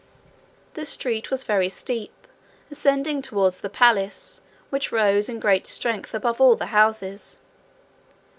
The street was very steep, ascending toward the palace, which rose in great strength above all the houses.